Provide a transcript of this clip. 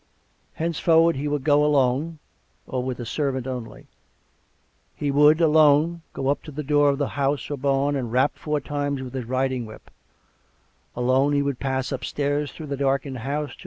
Henceforward he would go alone, or with a servant only; he would, alone, go up to the door of house or barn and rap four times with his riding whip; alone he would pass upstairs through the darkened house to the COME RACK!